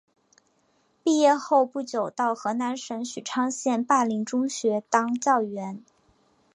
毕业后不久到河南省许昌县灞陵中学当教员。